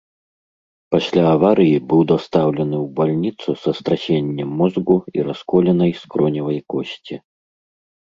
Пасля аварыі быў дастаўлены ў бальніцу са страсеннем мозгу і расколінай скроневай косці.